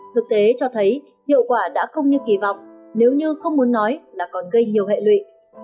thực tế cho thấy hiệu quả đã không như kỳ vọng nếu như không muốn nói là còn gây nhiều hệ lụy